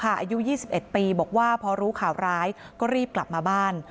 อายุ๒๑ปีบอกว่าพอรู้ข่าวร้ายก็รีบกลับมาบ้าน